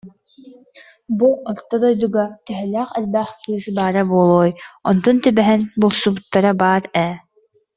Бу орто дойдуга төһөлөөх элбэх кыыс баара буолуой, онтон түбэһэн булсубуттара баар ээ